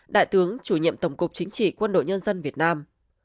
đại tướng chủ nhiệm tổng cục chính trị quân đội nhân dân việt nam